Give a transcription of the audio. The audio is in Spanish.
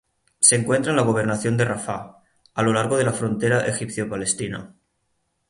Se encuentra en la Gobernación de Rafah, a lo largo de la frontera egipcio-palestina.